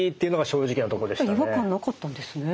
違和感なかったんですね。